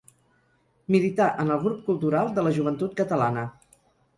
Milità en el Grup Cultural de la Joventut Catalana.